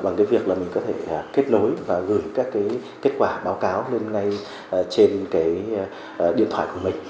bằng cái việc là mình có thể kết nối và gửi các cái kết quả báo cáo lên ngay trên cái điện thoại của mình